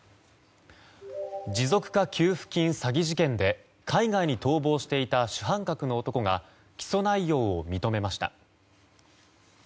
持続化給付金詐欺事件で海外に逃亡していた主犯格の男が起訴内容を認めました。